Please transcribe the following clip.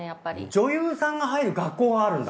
女優さんが入る学校があるんだ。